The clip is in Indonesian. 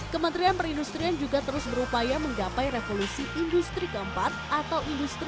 kementerian perindustrian juga terus berupaya menggapai revolusi industri keempat atau industri